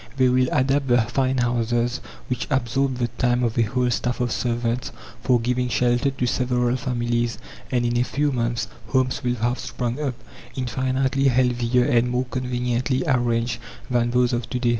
They will adapt the fine houses, which absorbed the time of a whole staff of servants, for giving shelter to several families, and in a few months homes will have sprung up, infinitely healthier and more conveniently arranged than those of to day.